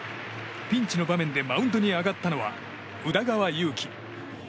ピンチの場面でマウンドに上がったのは宇田川優希。